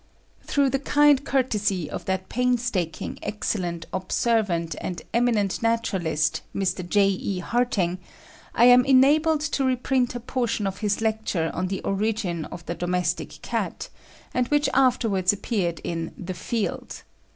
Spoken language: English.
Through the kind courtesy of that painstaking, excellent, observant, and eminent naturalist, Mr. J. E. Harting, I am enabled to reprint a portion of his lecture on the origin of the domestic cat, and which afterwards appeared in The Field.